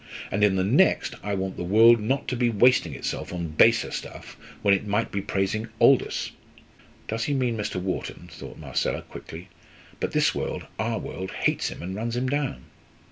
And in the next, I want the world not to be wasting itself on baser stuff when it might be praising Aldous!" "Does he mean Mr. Wharton?" thought Marcella, quickly. "But this world our world hates him and runs him down."